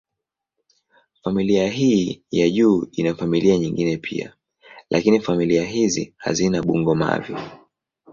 Familia hii ya juu ina familia nyingine pia, lakini familia hizi hazina bungo-mavi.